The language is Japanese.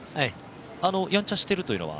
やんちゃしてるというのは？